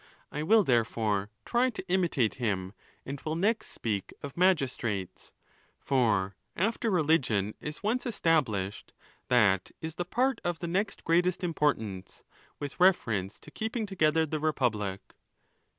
I will, therefore, try to imitate him, and will next speak of magistrates ; for after religion is once established, that is the part of the next greatest. importance with reference to keep ing together the republic.